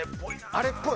あれっぽい？